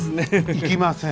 行きません。